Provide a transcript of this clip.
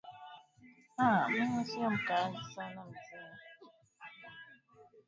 aah mimi sio mkaaji sana mzee hata mazungumzo hayatakua marefu sana alisema Jacob